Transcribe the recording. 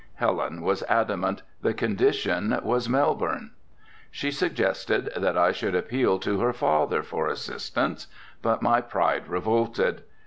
Helen was adamant, the condition was Melbourne. She suggested that I should appeal to her father for assistance but my pride revolted.